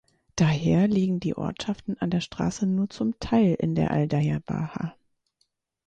Daher liegen die Ortschaften an der Straße nur zum Teil in der Aldeia Baha.